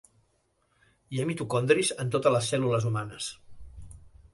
Hi ha mitocondris en totes les cèl·lules humanes.